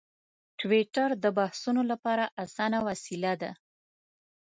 ټویټر د بحثونو لپاره اسانه وسیله ده.